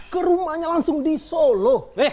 ke rumahnya langsung di solo